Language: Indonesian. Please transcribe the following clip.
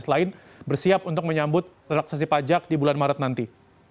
selain bersiap untuk menyambut relaksasi pajak di bulan maret nanti